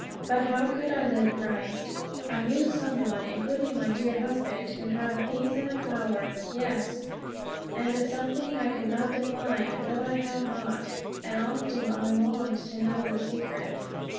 But how could I live Christ? I knew some (including my dear husband) who had a peace and a power, yes, and a something I could not define, that I had not; and often I longed to know the secret.